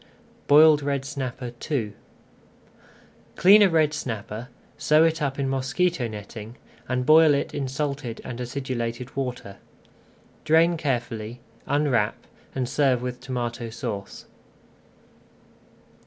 BOILED RED SNAPPER II Clean a red snapper, sew it up in mosquito netting, and boil it in salted and acidulated water. Drain carefully, unwrap, and serve with Tomato Sauce.